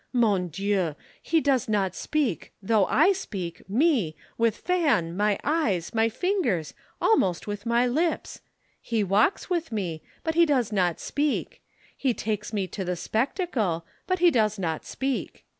Mon Dieu, he does not speak, though I speak, me, with fan, my eyes, my fingers, almost with my lips. He walks with me but he does not speak. He takes me to the spectacle but he does not speak.